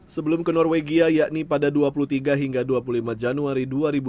sebelum ke norwegia yakni pada dua puluh tiga hingga dua puluh lima januari dua ribu dua puluh